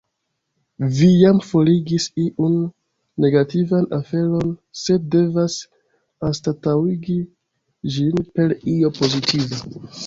Vi jam forigis iun negativan aferon, sed devas anstataŭigi ĝin per io pozitiva.